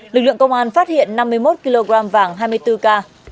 lực lượng công an phát hiện năm mươi một kg vàng hai mươi bốn k